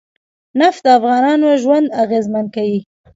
نفت د افغانانو ژوند اغېزمن کوي.